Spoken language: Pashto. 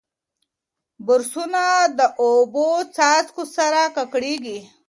برسونه د اوبو څاڅکو سره ککړېږي.